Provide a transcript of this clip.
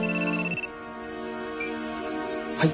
はい。